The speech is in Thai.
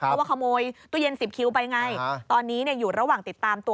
เพราะว่าขโมยตู้เย็น๑๐คิวไปไงตอนนี้อยู่ระหว่างติดตามตัว